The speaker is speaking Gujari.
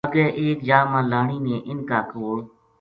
اَگے ایک جا ما لانی نے اِنھ کا کول